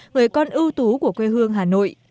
người con ưu tú của quê hương hà nội